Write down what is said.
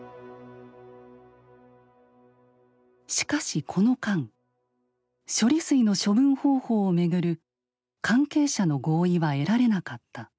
しかしこの間処理水の処分方法を巡る関係者の合意は得られなかった。